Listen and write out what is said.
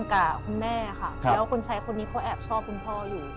แล้วคุณใช้คนนี้เขาแอบชอบคุณพ่ออยู่